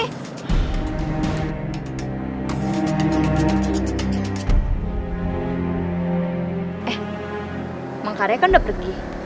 emang karya kan udah pergi